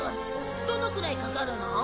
どのくらいかかるの？